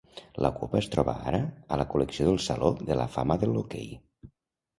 La Copa es troba ara a la col·lecció del Saló de la fama de l'hoquei.